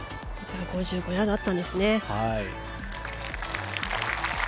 ５５ヤードあったんですね。